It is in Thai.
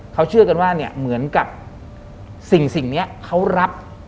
เขาเชื่อกันว่าเนี่ยเหมือนกับสิ่งนี้เขารับ